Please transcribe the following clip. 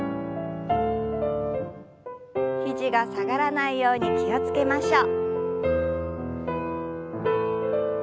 肘が下がらないように気を付けましょう。